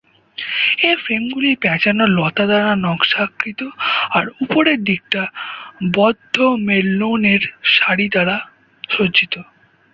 এ ফ্রেমগুলি প্যাঁচানো লতা দ্বারা নকশাকৃত আর উপরের দিকটা বদ্ধ মেরলোনের সারি দ্বারা সজ্জিত।